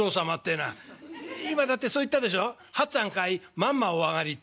まんまお上がり』って」。